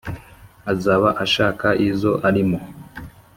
azaba ashaka izo arimo;